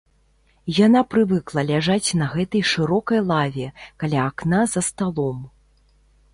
Яна прывыкла ляжаць на гэтай шырокай лаве, каля акна за сталом.